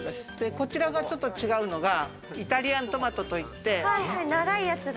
こちらがちょっと違うのがイタリアントマトといって。